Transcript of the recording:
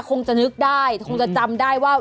คงจะนึกได้คงจะจำได้ว่า